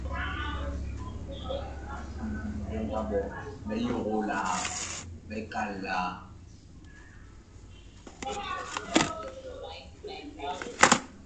Ndonga bo "me yôgôô laa ?", Mbene bo "me kal laa ?"